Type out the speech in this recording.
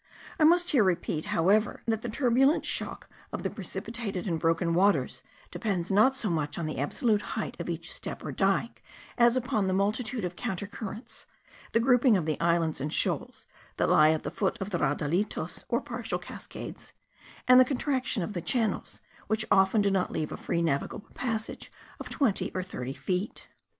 I must here repeat, however, that the turbulent shock of the precipitated and broken waters depends not so much on the absolute height of each step or dike, as upon the multitude of counter currents, the grouping of the islands and shoals, that lie at the foot of the raudalitos or partial cascades, and the contraction of the channels, which often do not leave a free navigable passage of twenty or thirty feet.